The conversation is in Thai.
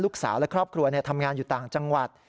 ลูกสาวและครอบครัวทำงานอยู่ต่างจังหวัด